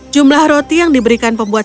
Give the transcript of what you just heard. jumlah roti yang diberikan pembuat